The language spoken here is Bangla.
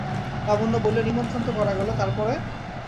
লাবণ্য বললে, নিমন্ত্রণ তো করা গেল, তার পরে?